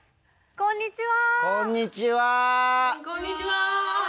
こんにちは。